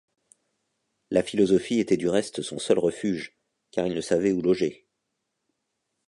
La philosophie était du reste son seul refuge, car il ne savait où loger.